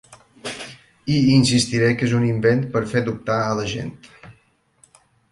I insistiré que és un invent per fer dubtar a la gent.